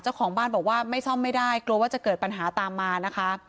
เจ้าของบ้านบอกว่าไม่ซ่อมไม่ได้กลัวว่าจะเกิดปัญหาตามมานะคะ